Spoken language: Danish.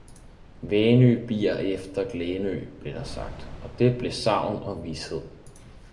Vænø bier efter Glænø, blev der sagt, og det blev sagn og vished.